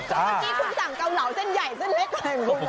เพราะเมื่อกี้คุณทางเกาเหล่าเส้นใหญ่เส้นเล็ก